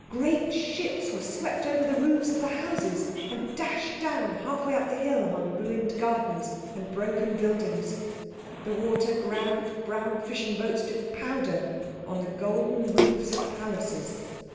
Great ships were swept over the roofs of the houses and dashed down halfway up the hill among ruined gardens and broken buildings. The water ground brown fishing boats to powder on the golden roofs of Palaces.